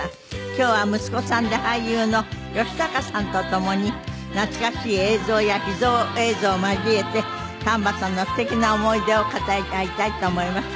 今日は息子さんで俳優の義隆さんと共に懐かしい映像や秘蔵映像を交えて丹波さんのすてきな思い出を語り合いたいと思います。